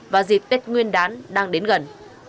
và dịp tết nguyên đán đang đến gần